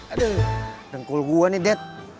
aduh rengkul gue nih dad